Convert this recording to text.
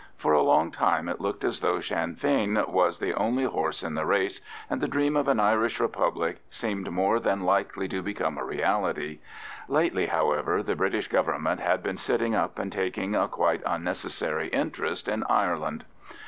For a long time it looked as though Sinn Fein was the only horse in the race, and the dream of an Irish Republic seemed more than likely to become a reality; lately, however, the British Government had been sitting up and taking a quite unnecessary interest in Ireland.